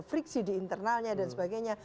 friksi di internalnya dan sebagainya